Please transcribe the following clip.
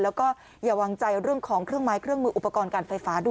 แล้วก็อย่าวางใจเรื่องของเครื่องไม้เครื่องมืออุปกรณ์การไฟฟ้าด้วย